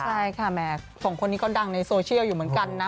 ใช่ค่ะแหมสองคนนี้ก็ดังในโซเชียลอยู่เหมือนกันนะ